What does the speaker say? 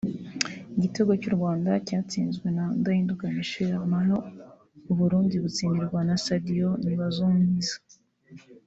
Igitego cy’u Rwanda cyatsinzwe na Ndahinduka Michel naho u Burundi butsindirwa na Saido Ntibazonkiza